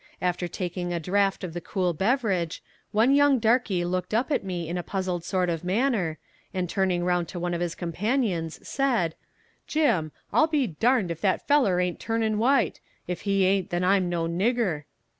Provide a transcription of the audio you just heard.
After taking a draught of the cool beverage, one young darkie looked up at me in a puzzled sort of manner, and turning round to one of his companions, said: "Jim, I'll be darned if that feller aint turnin' white; if he aint then I'm no nigger."